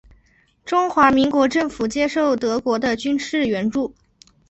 中华民国政府接受德国的军事援助。